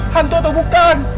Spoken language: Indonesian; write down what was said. hantu atau bukan